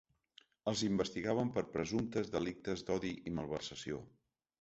Els investigaven per presumptes delictes d’odi i malversació.